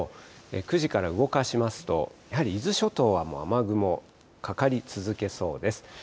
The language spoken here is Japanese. ９時から動かしますと、やはり伊豆諸島は雨雲かかり続けそうです。